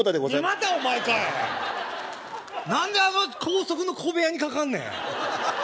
またお前かい何であの高速の小部屋にかかんねん？